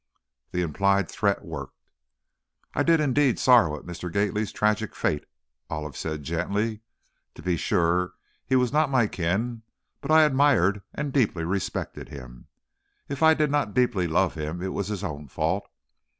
The implied threat worked. "I do indeed sorrow at Mr. Gately's tragic fate," Olive said, gently. "To be sure, he was not my kin, but I admired and deeply respected him. If I did not deeply love him it was his own fault.